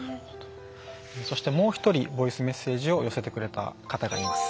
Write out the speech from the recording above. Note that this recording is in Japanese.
そしてもう一人ボイスメッセージを寄せてくれた方がいます。